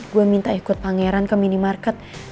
gue minta ikut pangeran ke minimarket